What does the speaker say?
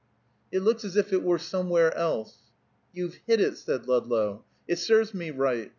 "It looks as if it were somewhere else." "You've hit it," said Ludlow. "It serves me right.